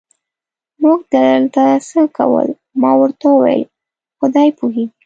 موټر دلته څه کول؟ ما ورته وویل: خدای پوهېږي.